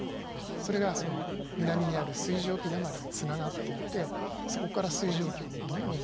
それがその南にある水蒸気だまりにつながっていてそこから水蒸気をどんどんと流し込んでいたと。